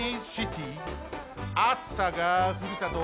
あつさがふるさと